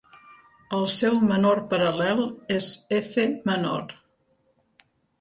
El seu menor paral·lel és F menor.